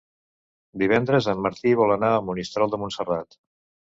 Divendres en Martí vol anar a Monistrol de Montserrat.